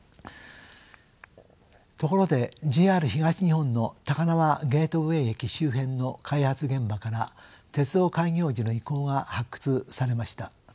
ところでＪＲ東日本の高輪ゲートウェイ駅周辺の開発現場から鉄道開業時の遺構が発掘されました。